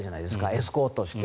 エスコートして。